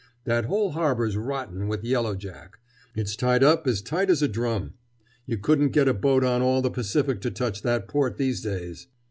That whole harbor's rotten with yellow jack. It's tied up as tight as a drum. You couldn't get a boat on all the Pacific to touch that port these days!"